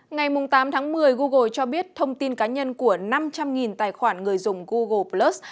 ngày tám tháng một mươi google cho biết thông tin cá nhân của năm trăm linh tài khoản người dùng google plus